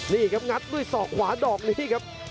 นี่ครับงัดด้วยศอกขวาดอกนี้ครับ